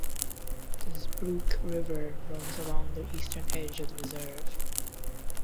The Zbruch River runs along the eastern edge of the reserve.